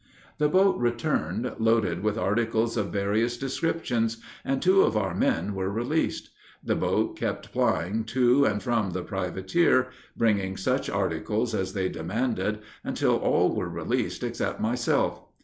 The boat returned loaded with articles of various descriptions, and two of our men were released. The boat kept plying to and from the privateer, bringing such articles as they demanded, until all were released except myself.